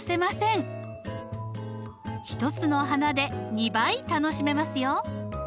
１つの花で２倍楽しめますよ。